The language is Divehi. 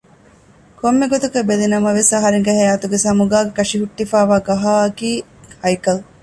ކޮންމެ ގޮތަކަށް ބެލިނަމަވެސް އަހަރެންގެ ހަޔާތުގެ ސަމުގާގެ ކަށި ހުއްޓިފައިވާ ގަހާއަކީ ހައިކަލު